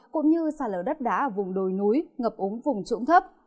cũng như sạt lở đất đá ở vùng đồi núi ngập ống vùng trũng thấp